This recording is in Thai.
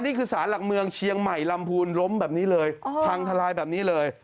นี่คือสารหลักเมืองเชียงใหม่ลำพูนล้มแบบนี้เลยพังทลายแบบนี้เลย